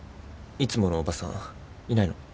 いつものおばさんいないの？